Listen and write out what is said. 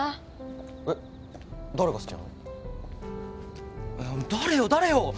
えっ？誰よ？